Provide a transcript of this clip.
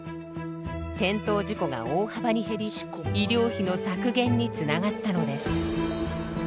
転倒事故が大幅に減り医療費の削減につながったのです。